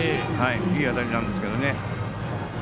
いい当たりなんですけどね。